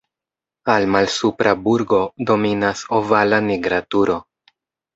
Al "Malsupra burgo" dominas ovala "Nigra turo".